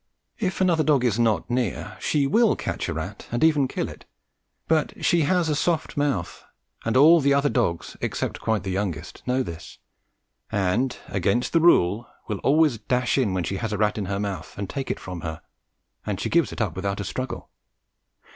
If another dog is not near she will catch a rat and even kill it; but she has a soft mouth, and all the other dogs, except quite the youngest, know this, and, against the rule, will always dash in when she has a rat in her mouth and take it from her, and she gives it up without a struggle.